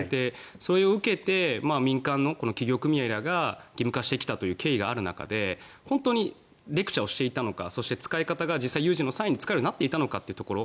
それを受けて民間の企業組合らが義務化してきたという経緯がある中で本当にレクチャーをしていたのかそして使い方が実際に有事の際に使えるようになっていたのかというところ。